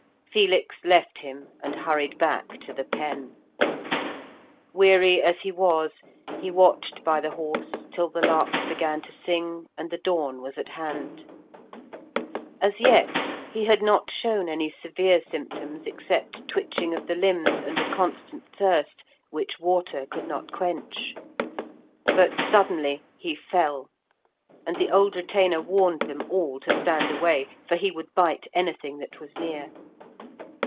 Felix left him and hurried back to the Pen. Weary as he was, he watched by the horse till the larks began to sing and the dawn was at hand. As yet he had not shown any severe symptoms except twitching of the limbs, and a constant thirst, which water could not quench. But suddenly he fell, and the old retainer warned them all to stand away, for he would bite anything that was near.